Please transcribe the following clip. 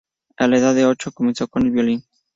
A la edad de ocho comenzó con el violín.